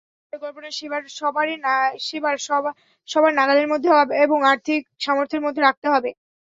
পরিবার পরিকল্পনা সেবা সবার নাগালের মধ্যে এবং আর্থিক সামর্থ্যের মধ্যে রাখতে হবে।